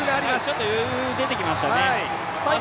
ちょっと余裕出てきましたね。